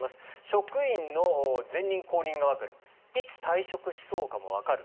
職員の前任、後任がわかるいつ退職しそうかもわかる。